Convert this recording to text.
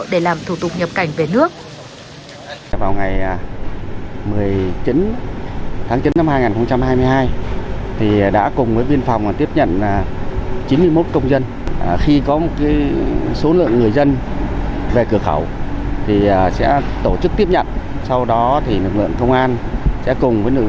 để làm thủ tục nhập cảnh về nước